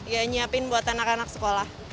ya nyiapin buat anak anak sekolah